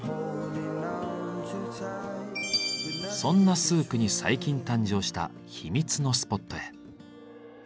そんなスークに最近誕生した秘密のスポットへ。